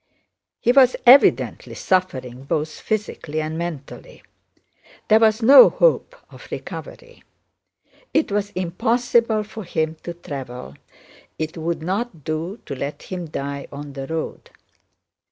He was evidently suffering both physically and mentally. There was no hope of recovery. It was impossible for him to travel, it would not do to let him die on the road.